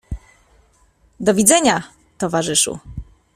"Do widzenia, towarzyszu!"